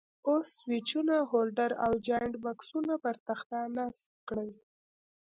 اوس سویچونه، هولډر او جاینټ بکسونه پر تخته نصب کړئ.